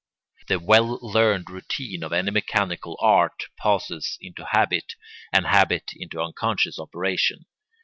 The well learned routine of any mechanical art passes into habit, and habit into unconscious operation.